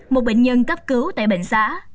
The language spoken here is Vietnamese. một bệnh nhân cấp cứu tại bệnh xã